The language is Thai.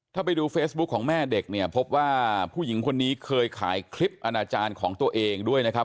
ถ้าไปดูเฟซบุ๊คของแม่เด็กเนี่ยพบว่าผู้หญิงคนนี้เคยขายคลิปอนาจารย์ของตัวเองด้วยนะครับ